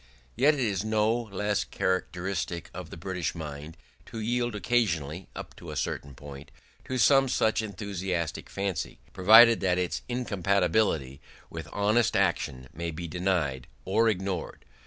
Yet it is no less characteristic of the British mind to yield occasionally, up to a certain point, to some such enthusiastic fancy, provided that its incompatibility with honest action may be denied or ignored.